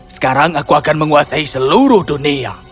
sekarang aku akan menguasai seluruh dunia